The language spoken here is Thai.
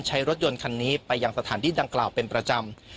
ใช้รถยนต์คันนี้ไปยังสถานที่ดังกล่าวเป็นประจำ